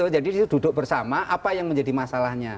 jadi duduk bersama apa yang menjadi masalahnya